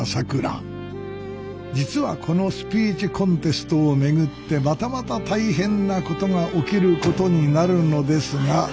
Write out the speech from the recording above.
実はこのスピーチコンテストを巡ってまたまた大変なことが起きることになるのですが。